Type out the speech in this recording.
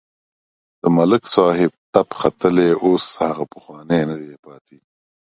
د ملک صاحب تپ ختلی اوس هغه پخوانی نه دی پاتې.